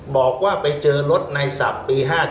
บอกว่าไปเจอรถในศัพท์ปี๕๗